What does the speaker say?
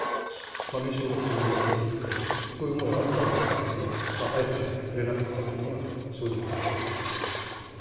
名称は非常に似てますので、そういう思いはあったんですけども、あえて触れなかったというのが正直なところです。